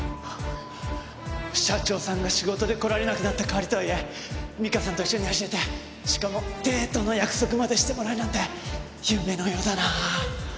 社長さんが仕事で来られなくなった代わりとはいえ美加さんと一緒に走れてしかもデートの約束までしてもらえるなんて夢のようだなあ。